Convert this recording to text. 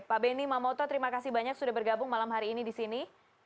pak benny mamoto terima kasih banyak sudah bergabung malam hari ini di sini